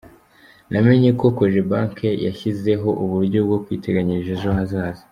Namenye ko Cogebanque yashyizeho uburyo bwo kwiteganyiriza ejo hazaza.